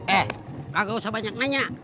eh gak usah banyak nanya